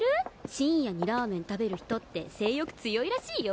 深夜にラーメン食べる人って性欲強いらしいよ。